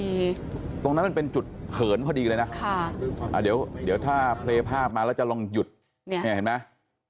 ตรงนั้นมันเป็นจุดเขินพอดีเลยนะเดี๋ยวถ้าเพลย์ภาพมาแล้วจะลองหยุดเนี่ยเห็นไหม